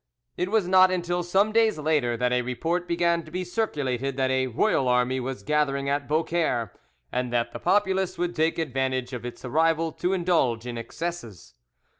It was not until some days later that a report began to be circulated that a royal army was gathering at Beaucaire, and that the populace would take advantage of its arrival to indulge in excesses.